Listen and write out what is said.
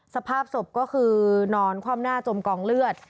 สภาพศพก็คือนอนคว่ำหน้าจมกองเลือด